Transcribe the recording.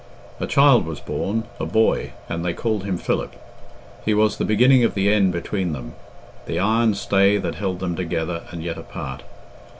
A child was born, a boy, and they called him Philip. He was the beginning of the end between them; the iron stay that held them together and yet apart.